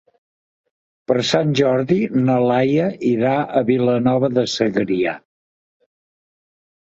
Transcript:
Per Sant Jordi na Laia irà a Vilanova de Segrià.